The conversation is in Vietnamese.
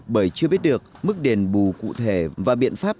bởi chưa biết được mức đền bù cụ thể và biện pháp